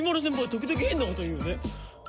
時々変なこと言うよね。